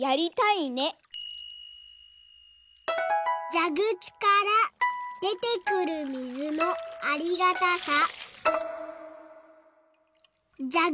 「じゃぐちからでてくるみずのありがたさ」。